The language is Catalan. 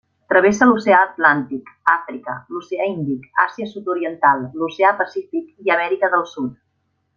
Travessa l’oceà Atlàntic, Àfrica, l’oceà Índic, Àsia sud-oriental, l’oceà Pacífic, i Amèrica del Sud.